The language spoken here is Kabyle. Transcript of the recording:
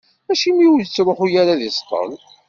Acimi ur ittruḥu ara ad d-iṣeṭṭel?